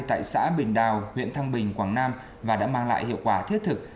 tại xã bình đào huyện thăng bình quảng nam và đã mang lại hiệu quả thiết thực